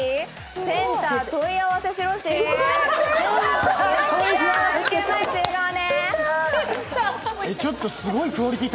センター問い合わせするしー。